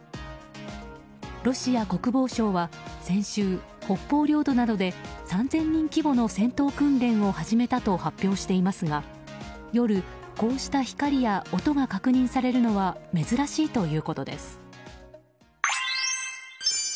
ロシア国防省は先週北方領土などで３０００人規模の戦闘訓練を始めたと発表していますが夜、こうした光や音が確認されるのは珍しいということです。